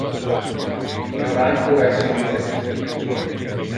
Franco es innocente.